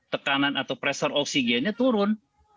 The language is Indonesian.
tekanan atau pressure oksigennya turun